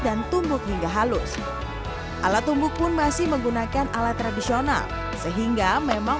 dan tumbuk hingga halus alat tumbuk pun masih menggunakan alat tradisional sehingga memang